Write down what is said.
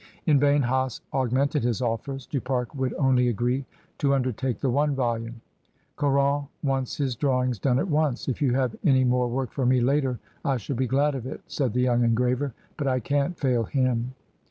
In vain Hase augmented his offers. Du Pare would only agree to imdertake the one volume. "Caron wants his drawings done at once. If you have any more work for me later I shall be glad of it," said the young engraver, "but I can't fail him."